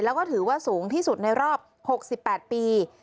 แล้วก็ถือว่าสูงที่สุดในรอบ๖๘ปี